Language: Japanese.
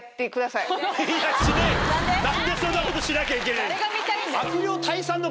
何でそんなことしなきゃいけねえんだ？